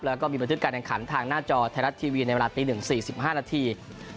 แล้วก็มีบันทึกการแข่งขันทางหน้าจอไทยรัฐทีวีในเวลาตี๑๔๕นาที